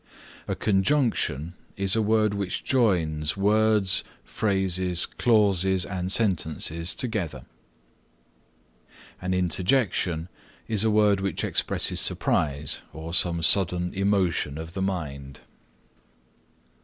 A conjunction is a word which joins words, phrases, clauses and sentences together. An interjection is a word which expresses surprise or some sudden emotion of the mind.